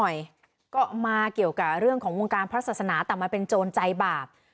หน่อยก็มาเกี่ยวกับเรื่องของวงการพระศาสนาแต่มาเป็นโจรใจบาป